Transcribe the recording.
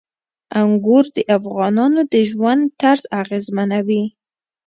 انګور د افغانانو د ژوند طرز اغېزمنوي.